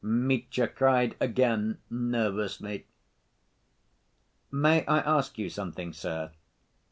Mitya cried again, nervously. "May I ask you something, sir?"